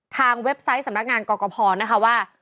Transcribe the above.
เว็บไซต์สำนักงานกรกภนะคะว่า